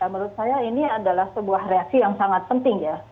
menurut saya ini adalah sebuah reaksi yang sangat penting ya